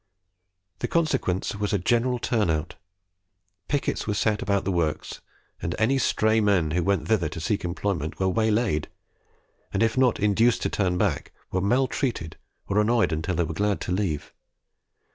The consequence was a general turn out. Pickets were set about the works, and any stray men who went thither to seek employment were waylaid, and if not induced to turn back, were maltreated or annoyed until they were glad to leave.